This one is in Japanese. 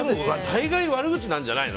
大概、悪口なんじゃないの？